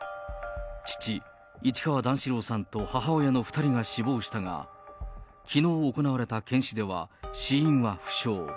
父、市川段四郎さんと母親の２人が死亡したが、きのう行われた検視では、死因は不詳。